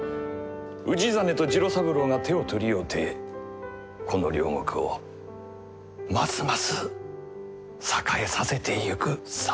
氏真と次郎三郎が手を取り合うてこの領国をますます栄えさせてゆく様がなあ。